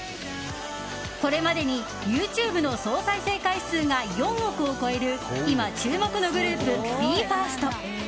これまでにＹｏｕＴｕｂｅの総再生回数が４億を超える今注目のグループＢＥ：ＦＩＲＳＴ。